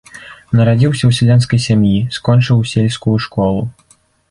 Нарадзіўся ў сялянскай сям'і, скончыў сельскую школу.